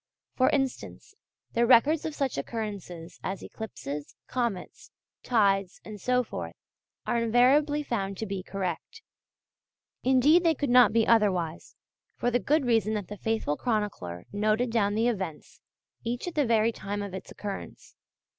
For instance, their records of such occurrences as eclipses, comets, tides, and so forth, are invariably found to be correct. Indeed they could not be otherwise, for the good reason that the faithful chronicler noted down the events, each at the very time of its occurrence.